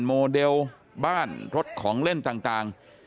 โมเดลบ้านรถของเล่นต่าง